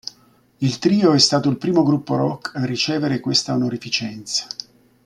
Il trio è stato il primo gruppo rock a ricevere questa onorificenza.